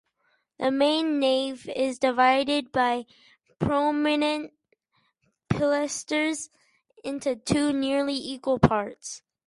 The main nave is divided by prominent pilasters into two nearly equal parts.